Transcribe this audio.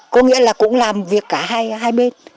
có nghĩa là cũng làm việc cả hai bên